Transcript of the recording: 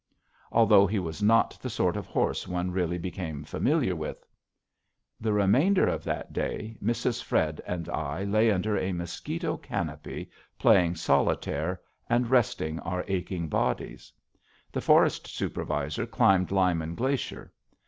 (Although he was not the sort of horse one really became familiar with.) The remainder of that day, Mrs. Fred and I lay under a mosquito canopy, played solitaire, and rested our aching bodies. The Forest Supervisor climbed Lyman Glacier.